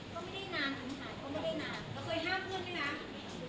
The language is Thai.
ก็ไม่ได้นานถึงหายไปก็ไม่ได้นานแล้วเคยห้ามเพื่อนไหมนะ